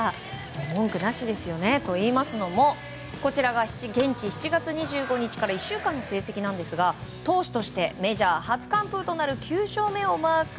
文句なしですね。といいますのも現地７月２５日からの１週間の成績ですが投手としてメジャー初完封となる９勝目をマーク。